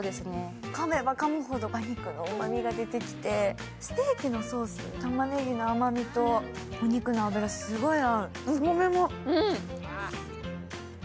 かめばかむほど馬肉のうまみが出てきて、ステーキのソース、たまねぎの甘みとお肉の脂がすごい合う。